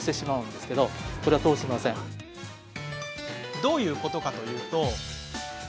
どういうことかというと。